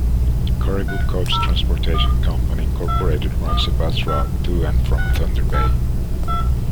Caribou Coach Transportation Company Incorporated runs a bus route to and from Thunder Bay.